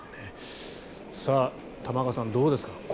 玉川さん、どうですか。